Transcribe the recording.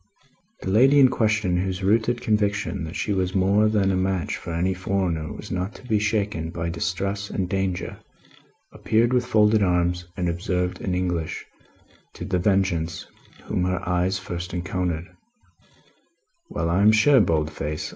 The lady in question, whose rooted conviction that she was more than a match for any foreigner, was not to be shaken by distress and, danger, appeared with folded arms, and observed in English to The Vengeance, whom her eyes first encountered, "Well, I am sure, Boldface!